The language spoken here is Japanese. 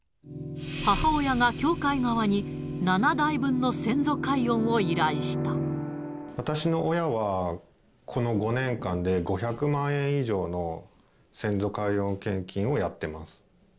母親が教会側に、７代分の先私の親は、この５年間で５００万円以上の先祖解怨献金をやってます。